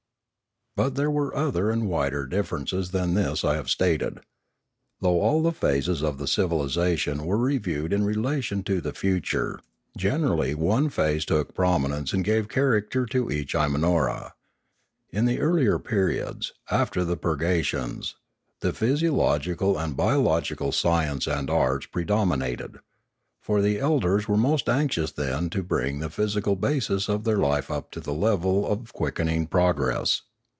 But there were other and wider differences than this I have stated. Though all phases of the civilisation were reviewed in relation to the future, generally one phase took prominence and gave character to each Imanora. In the earlier periods, after the purgations, the physiological and biological sciences and arts pre dominated ; for the elders were most anxious then to bring the physical basis of their life up to the level of quickening progress.